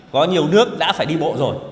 có nhiều nước đã phải đi bộ rồi